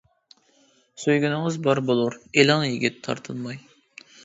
سۆيگىنىڭىز بار بولۇر، -ئېلىڭ، يىگىت، تارتىنماي.